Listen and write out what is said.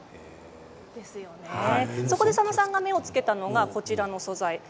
そこで佐野さんが目を付けたのがこちらの素材です。